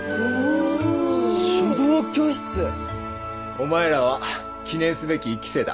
お前らは記念すべき１期生だ。